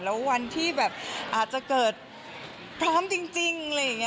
แล้ววันที่แบบอาจจะเกิดพร้อมจริงอะไรอย่างนี้